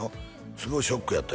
「すごいショックやった」